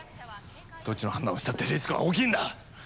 どっちの判断をしたってリスクは大きいんだ。